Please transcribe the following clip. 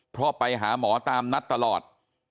เพราะไปหาหมอตามนัดตลอด